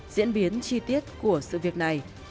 diễn biến chi tiết của sự việc này